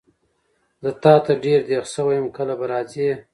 زه تاته ډېر دیغ سوی یم کله به راځي؟